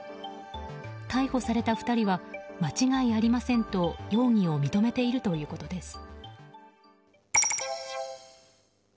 逮捕された２人は間違いありませんと容疑を認めているということです。